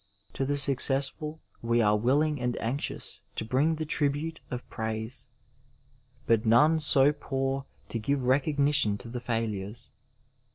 To the success ful we are willing and anxious to bring the tribute of praise, but none so poor to give recognition to the failures.